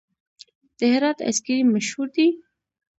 د هرات آیس کریم مشهور دی؟